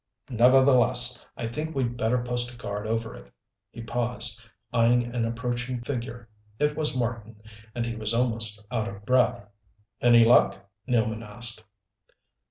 "Nevertheless, I think we'd better post a guard over it." He paused, eyeing an approaching figure. It was Marten, and he was almost out of breath. "Any luck?" Nealman asked.